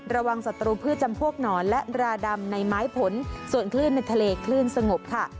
สัตรูพืชจำพวกหนอนและราดำในไม้ผลส่วนคลื่นในทะเลคลื่นสงบค่ะ